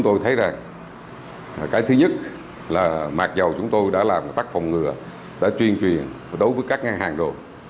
thấy rằng cái thứ nhất là mặc dù chúng tôi đã làm tác phòng ngừa đã truyền truyền đối với các ngân hàng rồi